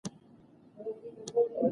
ټټۍ، کېناراب او تشناب کلمې یوه معنا لري.